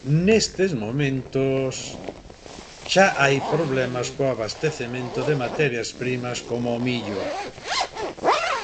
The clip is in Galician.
Nestes momentos xa hai problemas co abastecemento de materias primas como o millo.